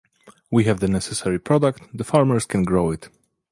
We have the necessary product, the farmers can grow it.